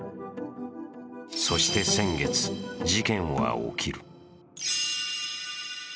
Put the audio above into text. そして先月、事件は起きる。